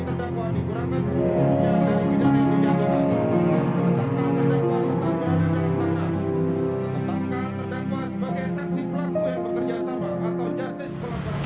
tetapkan terdakwa sebagai seksi pelaku yang bekerjasama atau justis berhubungan